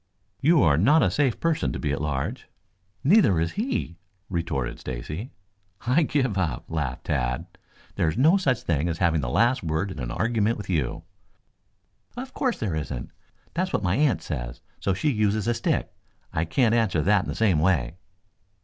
"You are not a safe person to be at large." "Neither is he," retorted Stacy. "I give up," laughed Tad. "There is no such thing as having the last word in an argument with you." "Of course there isn't. That's what my aunt says, so she uses a stick. I can't answer that in the same way."